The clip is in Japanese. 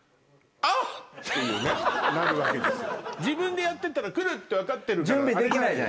自分でやってたらくるって分かってるから。